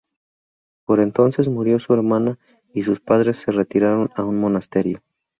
Por entonces murió su hermana y sus padres se retiraron a un monasterio.